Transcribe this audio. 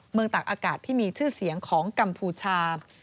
ตากอากาศที่มีชื่อเสียงของกัมพูชา